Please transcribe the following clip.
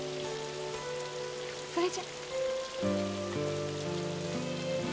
それじゃ。